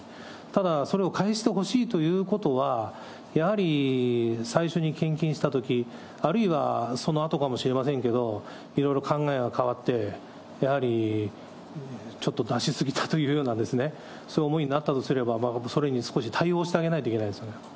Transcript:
ただ、それを返してほしいということは、やはり最初に献金したとき、あるいはそのあとかもしれませんけれども、いろいろ考えが変わって、やはりちょっと出し過ぎたというようなですね、そういう思いになったとすれば、それに少し対応してあげないといけませんよね。